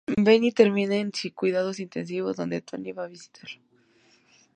Benny termina en cuidados intensivos, donde Tony va a visitarlo.